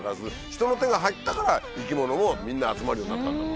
人の手が入ったから生き物もみんな集まるようになったんだろうね。